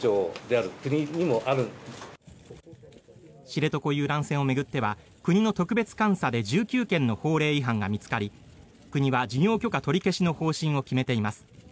知床遊覧船を巡っては国の特別監査で１９件の法令違反が見つかり国は事業許可取り消しの方針を決めています。